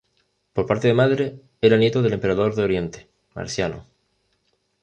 Por parte de madre, era nieto del emperador de Oriente, Marciano.